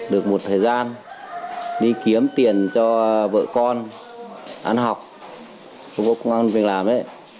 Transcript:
được một thời gian đi kiếm tiền cho vợ con ăn học không có công an việc làm ấy